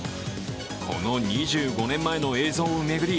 この２５年前の映像を巡り